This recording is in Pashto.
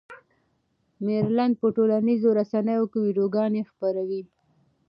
مېرلن په ټولنیزو رسنیو کې ویډیوګانې خپروي.